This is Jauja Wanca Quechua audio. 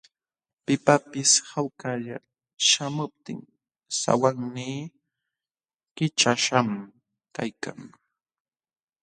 Pipaqpis hawkalla śhamuptin sawannii kićhaśhqam kaykan.